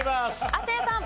亜生さん。